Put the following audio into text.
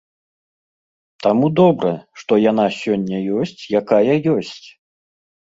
Таму добра, што яна сёння ёсць якая ёсць.